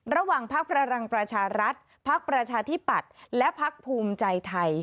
ระหว่างภาคพลังประชารัฐภาคประชาธิบัติและภาคภูมิใจไทย